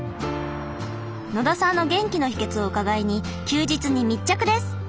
野田さんの元気の秘けつを伺いに休日に密着です。